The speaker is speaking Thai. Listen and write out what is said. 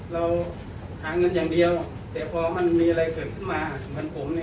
เราขางเหมือนกันอย่างเดียวแต่พอมันมีอะไรของขมมันจะหาย